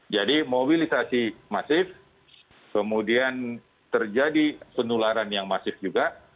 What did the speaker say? jadi mobilisasi massif kemudian terjadi penularan yang massif juga